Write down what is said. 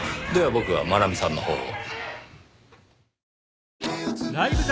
僕は真奈美さんのほうを。